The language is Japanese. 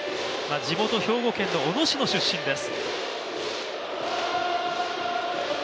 地元・兵庫県の小野市の出身です。